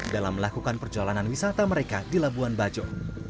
dalam melakukan perjalanan wisata mereka di labuan bajo